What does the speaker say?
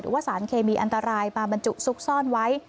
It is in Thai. ว่าสารเคมีอันตรายมาบรรจุซุกซ่อนไว้